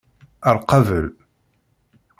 Ar qabel!